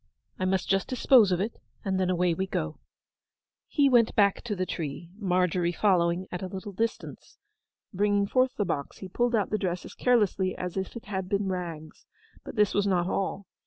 'I must just dispose of it; and then away we go.' He went back to the tree, Margery following at a little distance. Bringing forth the box, he pulled out the dress as carelessly as if it had been rags. But this was not all.